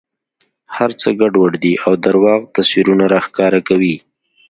هر څه ګډوډ دي او درواغ تصویرونه را ښکاره کوي.